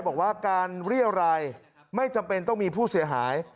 บอกว่าการเรียรายไม่จำเป็นต้องมีผู้เสียหาย